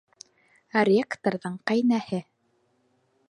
Ректорҙың ҡәйнәһе!